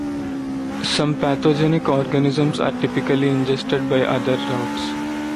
Some pathogenic organisms are typically ingested by other routes.